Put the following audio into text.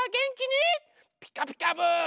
「ピカピカブ！」。